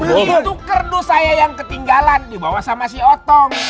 itu kerdus saya yang ketinggalan dibawa sama si otong